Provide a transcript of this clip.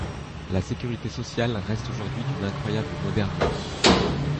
La Sécurité sociale reste aujourd’hui d’une incroyable modernité.